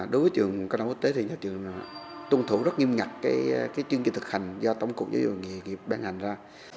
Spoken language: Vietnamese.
đối với trường công đồng quốc tế thì trường tuân thủ rất nghiêm ngặt cái chương trình thực hành do tổng cục giới dụng nghiệp ban hành ra